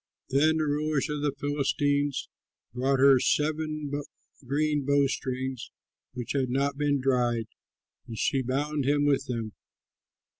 Then the rulers of the Philistines brought her seven green bowstrings which had not been dried, and she bound him with them.